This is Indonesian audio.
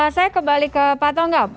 saya kembali ke pak tonggam